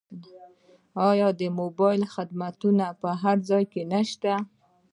آیا موبایل خدمات په هر ځای کې نشته؟